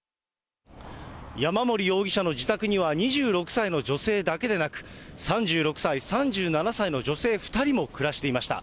山森容疑者の自宅には、２６歳の女性だけでなく、３６歳、３７歳の女性２人も暮らしていました。